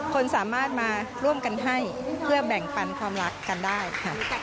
คนสามารถมาร่วมกันให้เพื่อแบ่งปันความรักกันได้ค่ะ